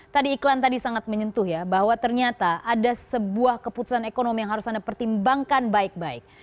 tadi iklan tadi sangat menyentuh ya bahwa ternyata ada sebuah keputusan ekonomi yang harus anda pertimbangkan baik baik